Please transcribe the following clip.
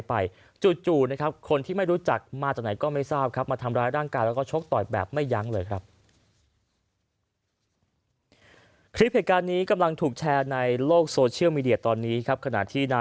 ภรรยาซ้อนท้ายรถจักรยานยนต์